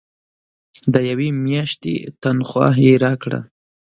د یوې میاشتي تنخواه یې راکړه.